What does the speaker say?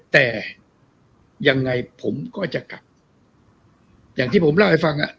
แต่ยังไงผมก็จะกลับอย่างที่ผมเล่าให้ฟังอ่ะ